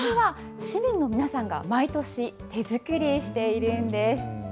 この飾りは、市民の皆さんが毎年、手作りしているんです。